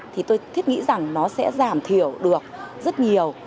thì tôi thiết nghĩ rằng nó sẽ giảm thiểu được rất nhiều